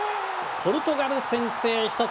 ポルトガル先制。